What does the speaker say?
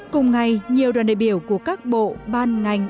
cùng ngày nhiều đoàn đại biểu của các bộ ban ngành